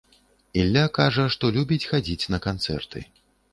Ілля кажа, што любіць хадзіць на канцэрты.